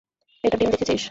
এটার ডিম দেখেছিস?